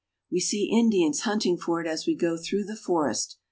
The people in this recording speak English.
We see Indians hunting for it as we go through the forest.